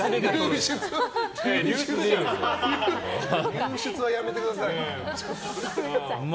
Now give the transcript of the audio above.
流出はやめてください。